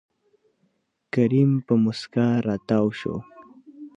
کريم په موسکا راتاو شو.